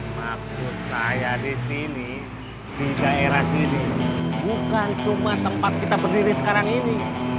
maksud saya di sini di daerah sini bukan cuma tempat kita berdiri sekarang ini